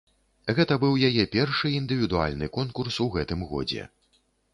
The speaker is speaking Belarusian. Гэта быў яе першы індывідуальны конкурс у гэтым годзе.